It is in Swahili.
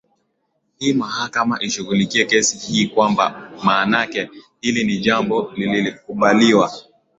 hii mahakama ishughulikie kesi hii kwamba maanake hili ni jambo lilikubaliwa